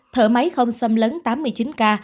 thở máy không xâm lấn tám mươi chín ca